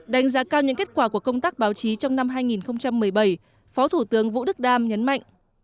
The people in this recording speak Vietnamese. đánh giá cao những kết quả của công tác báo chí trong năm hai nghìn một mươi bảy phó thủ tướng vũ đức đam nhấn mạnh